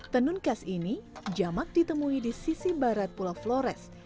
tenun khas ini jamak ditemui di sisi barat pulau flores